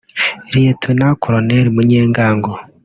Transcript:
Lt Col Munyengango